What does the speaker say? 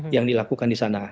yang dilakukan di sana